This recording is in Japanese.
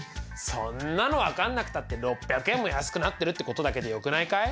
そんなの分かんなくたって６００円も安くなってるってことだけでよくないかい？